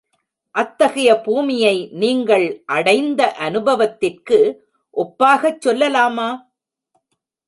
அத்தகைய பூமியை நீங்கள் அடைந்த அநுபவத்திற்கு ஒப்பாகச் சொல்லலாமா?